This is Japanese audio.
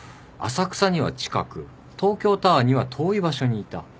浅草には近く東京タワーには遠い場所にいた。